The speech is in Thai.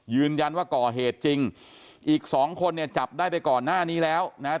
ยืนยันว่าก่อเหตุจริงอีกสองคนเนี่ยจับได้ไปก่อนหน้านี้แล้วนะฮะ